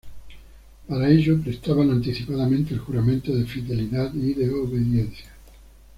Para ello prestaban anticipadamente el juramento de fidelidad y de obediencia.